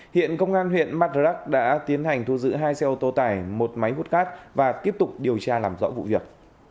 hiện công an huyện madrak đã tiến hành thu giữ hai xe ô tô tải một máy hút cát và tiếp tục điều tra làm rõ vụ việc